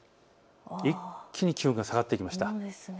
一気に気温が下がってきました。